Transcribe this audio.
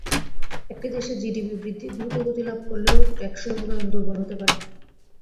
একটি দেশে জিডিপি বৃদ্ধি দ্রুতগতি লাভ করলেও টেকসই উন্নয়ন দুর্বল হতে পারে।